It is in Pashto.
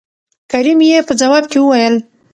کريم يې په ځواب کې وويل